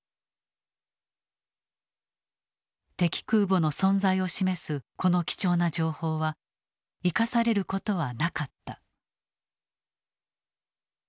敵空母の存在を示すこの貴重な情報は生かされることはなかった。